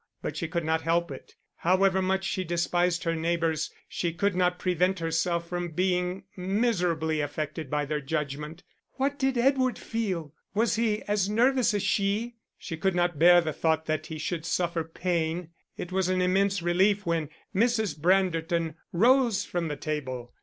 But she could not help it. However much she despised her neighbours, she could not prevent herself from being miserably affected by their judgment. And what did Edward feel? Was he as nervous as she? She could not bear the thought that he should suffer pain. It was an immense relief when Mrs. Branderton rose from the table.